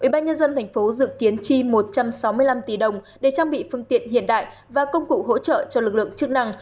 ubnd tp hcm dự kiến chi một trăm sáu mươi năm tỷ đồng để trang bị phương tiện hiện đại và công cụ hỗ trợ cho lực lượng chức năng